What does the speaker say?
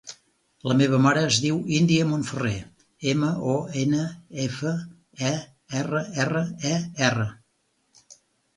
La meva mare es diu Índia Monferrer: ema, o, ena, efa, e, erra, erra, e, erra.